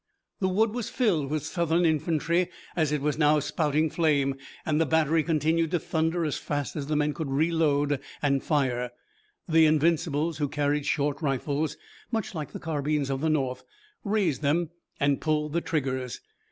The wood was filled with Southern infantry, as it was now spouting flame, and the battery continued to thunder as fast as the men could reload and fire. The Invincibles who carried short rifles, much like the carbines of the North, raised them and pulled the triggers.